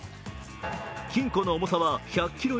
金庫の重さは１００ｋｇ以上。